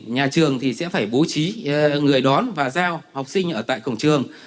nhà trường sẽ phải bố trí người đón và giao học sinh ở tại cổng trường